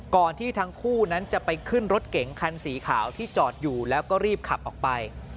ที่ทั้งคู่นั้นจะไปขึ้นรถเก๋งคันสีขาวที่จอดอยู่แล้วก็รีบขับออกไป